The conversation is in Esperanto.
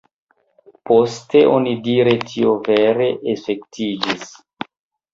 Poste onidire tio vere efektiviĝis.